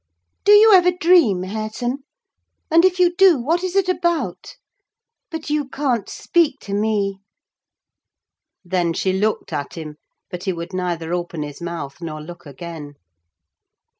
Do you ever dream, Hareton? And, if you do, what is it about? But you can't speak to me!" Then she looked at him; but he would neither open his mouth nor look again.